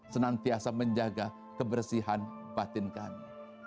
senantiasa menjaga kebersihan batin kami